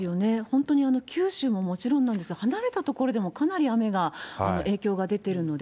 本当に九州ももちろんなんですが、離れた所でもかなり雨が、影響が出ているので。